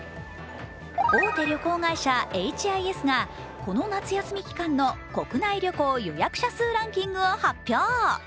大手旅行会社エイチ・アイ・エスがこの夏休み期間の国内旅行予約者数ランキングを発表。